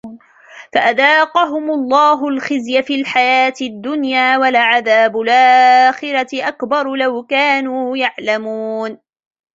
فَأَذَاقَهُمُ اللَّهُ الْخِزْيَ فِي الْحَيَاةِ الدُّنْيَا وَلَعَذَابُ الْآخِرَةِ أَكْبَرُ لَوْ كَانُوا يَعْلَمُونَ